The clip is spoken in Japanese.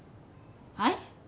はい？